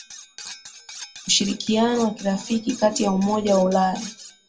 ushirikiano wa kirafiki kati ya Umoja wa Ulaya